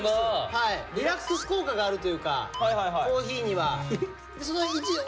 リラックス効果があるというかコーヒーには。